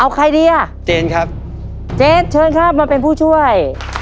เอาใครดีอ่ะเจนครับเจนเชิญครับมาเป็นผู้ช่วย